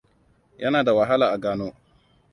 Yana da wahala a gano.